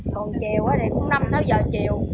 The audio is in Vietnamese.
còn chiều thì cũng năm sáu giờ chiều